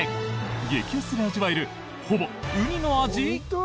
激安で味わえる、ほぼウニの味？